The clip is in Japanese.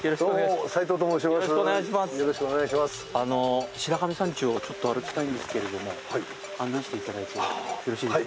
あのう、白神山地をちょっと歩きたいんですけれども、案内していただいてよろしいですか。